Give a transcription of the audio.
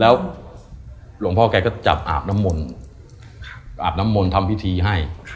แล้วรวงพ่อแกก็จับอาบน้ำมนต์ทำพิธีให้